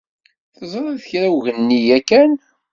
Teẓriḍ kra ugnenni yakan?